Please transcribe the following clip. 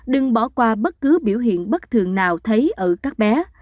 đừng bỏ qua bất cứ biểu hiện bất thường nào thấy ở các bé